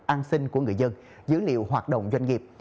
an sinh của người dân dữ liệu hoạt động doanh nghiệp